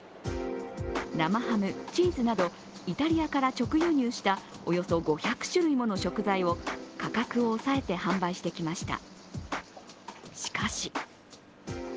生ハム、チーズなどイタリアから直輸入したおよそ５００種類もの食材を価格を抑えて販売してきました。